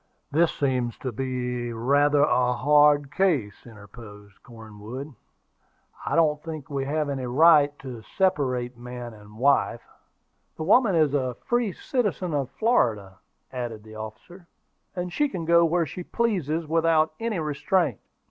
"This seems to be rather a hard case," interposed Cornwood. "I don't think we have any right to separate man and wife." "The woman is a free citizen of Florida," added the officer; "and she can go where she pleases without any restraint."